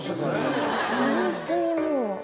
ホントにもう。